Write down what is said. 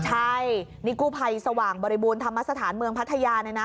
ใช่นี่กู้ภัยสว่างบริบูรณธรรมสถานเมืองพัทยาเนี่ยนะ